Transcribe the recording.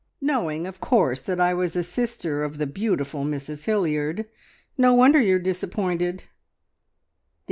"Knowing, of course, that I was a sister of the beautiful Mrs Hilliard! No wonder you are disappointed!"